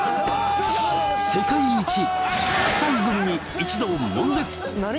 世界一臭いグミに一同もん絶！